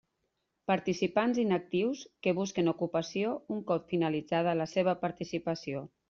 Participants inactius que busquen ocupació un cop finalitzada la seva participació.